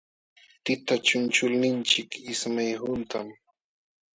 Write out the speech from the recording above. Tita chunchulninchik ismay huntam.